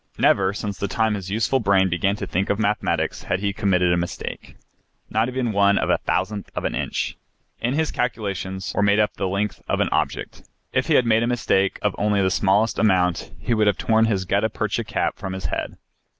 Never, since the time his youthful brain began to think of mathematics had he committed a mistake not even one of a thousandth of an inch if his calculations were made up on the length of an object. If he had made a mistake of only the smallest amount he would have torn his gutta percha cap from his head.